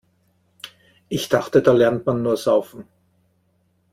Ich dachte, da lernt man nur Saufen.